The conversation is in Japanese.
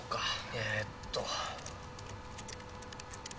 えーっと。